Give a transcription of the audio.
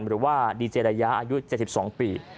หรือว่าดีเจรยาอายุ๗๒ปี